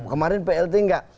kemarin plt enggak